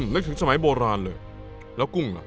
นึกถึงสมัยโบราณเลยแล้วกุ้งน่ะ